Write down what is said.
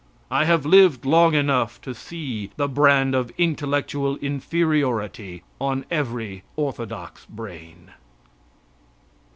I have lived long enough to see the brand of intellectual inferiority on every orthodox brain.